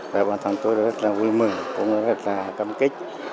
và bản thân tôi rất là vui mừng cũng rất là tâm kích